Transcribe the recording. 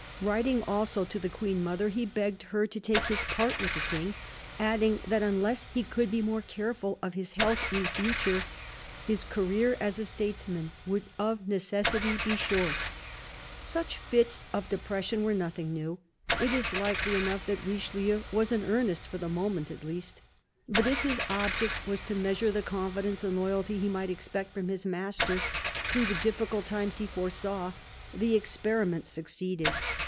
Writing also to the Queen mother, he begged her to take his part with the King, adding that unless he could be more careful of his health in future his career as a statesman would of necessity be short. Such fits of depression were nothing new. It is Ukely enough that Richelieu was in earnest, for the moment at least. But if his object was to measure the confidence and loyalty he might expect from his master through the difficult times he foresaw, the experiment succeeded.